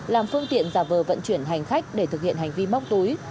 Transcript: làm phương tiện giả vờ vận chuyển hành khách để thực hiện hành vi móc túi